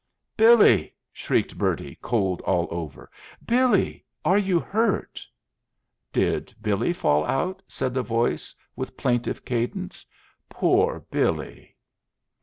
"Billy!" shrieked Bertie, cold all over. "Billy, are you hurt?" "Did Billy fall out?" said the voice, with plaintive cadence. "Poor Billy!"